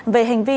về hành vi